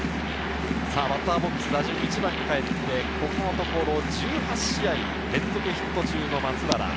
バッターボックスは１番にかえってきて、ここのところ１８試合連続ヒット中の松原。